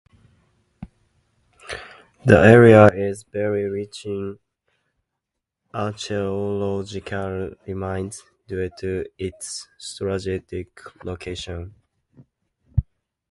The area is very rich in archaeological remains due to its strategic location.